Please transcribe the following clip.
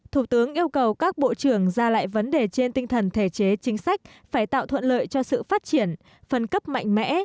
thủ tướng yêu cầu các bộ trưởng ra lại vấn đề trên tinh thần thể chế chính sách phải tạo thuận lợi cho sự phát triển phân cấp mạnh mẽ